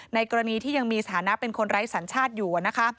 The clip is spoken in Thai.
กรณีที่ยังมีสถานะเป็นคนไร้สัญชาติอยู่นะคะ